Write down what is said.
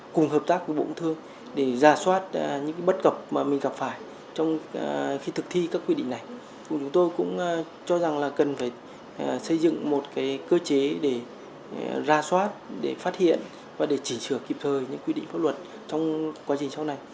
cùng hợp tác với bộ công thương để ra soát những bất cập mà mình gặp phải trong khi thực thi các quy định này chúng tôi cũng cho rằng là cần phải xây dựng một cơ chế để ra soát để phát hiện và để chỉnh sửa kịp thời những quy định pháp luật trong quá trình sau này